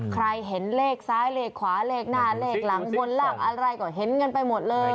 ใครเห็นเลขซ้ายเลขขวาเลขหน้าเลขหลังบนลากอะไรก็เห็นกันไปหมดเลย